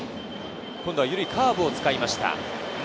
今度はゆるいカーブを使いました。